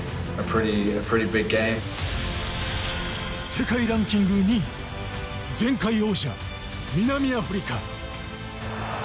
世界ランキング２位前回王者、南アフリカ。